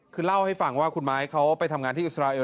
คือเล่าให้ฟังว่าคุณไม้เขาไปทำงานที่อิสราเอล